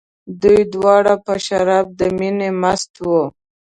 دوی دواړه په شراب د مینې مست وو.